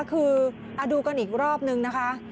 คือดูกันอีกรอบนึงนะคะ